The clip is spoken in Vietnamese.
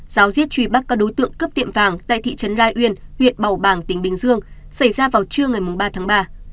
giáo riết trùy bắt các đối tượng cấp tiệm vàng tại thị trấn lai uyên huyện bảo bàng tỉnh bình dương xảy ra vào trưa ngày ba tháng ba